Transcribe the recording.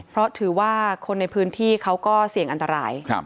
เพราะถือว่าคนในพื้นที่เขาก็เสี่ยงอันตราย